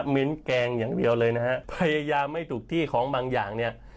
มิ้นแกงอย่างเดียวเลยนะฮะพยายามไม่ถูกที่ของบางอย่างเนี่ย